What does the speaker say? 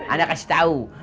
anda kasih tahu